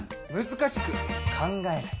難しく考えない。